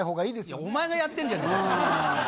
いやお前がやってんじゃねえか！